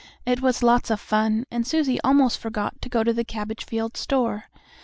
It was lots of fun, and Susie almost forgot to go to the cabbage field store.